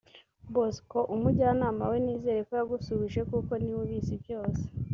Bosco (Umujyanama we) nizere ko yagusubije kuko niwe ubizi byose